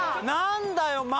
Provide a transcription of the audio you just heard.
何だよ？